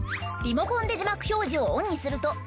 リモコンで字幕表示をオンにすると。